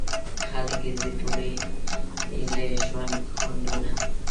خلک ګرځي ټولوي له ژوند خوندونه